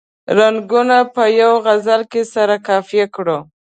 رنګونه په یوه غزل کې سره قافیه کړو.